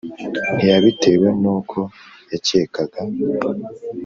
Ntiyabitewe n’uko yakekaga